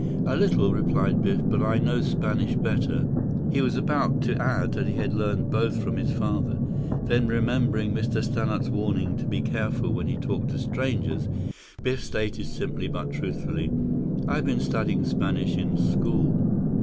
"A little," replied Biff, "but I know Spanish better." He was about to add that he had learned both from his father. Then, remembering Mr. Stannart's warning to be careful when he talked to strangers, Biff stated simply but truthfully: "I have been studying Spanish in school."